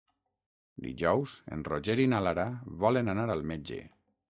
Dijous en Roger i na Lara volen anar al metge.